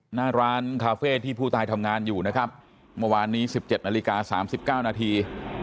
หน้าร้านคาเฟ่ที่ผู้ตายทำงานอยู่นะครับเมื่อวานนี้๑๗นาฬิกา๓๙นาที